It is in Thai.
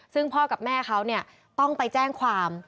ซึ่งพ่อกับแม่เขาต้องไปแจ้งความ